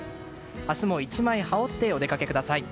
明日も１枚羽織ってお出かけください。